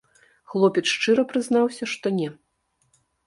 Хлопец шчыра прызнаўся, што не.